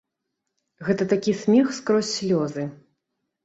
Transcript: Гэта такі смех скрозь слёзы.